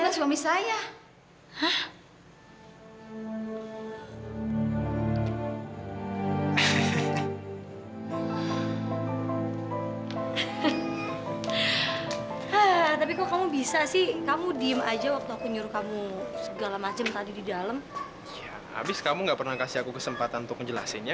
sampai jumpa di video selanjutnya